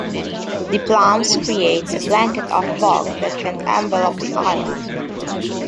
The plumes create a blanket of vog that can envelop the island.